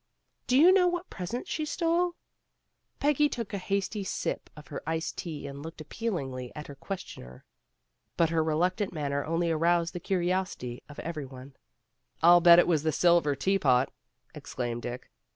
"Do you know what present she stole?" Peggy took a hasty sip of her iced tea and looked appealingly at her questioner. But her reluctant manner only aroused the curiosity of every one. "I'll bet it was the silver teapot," exclaimed Dick.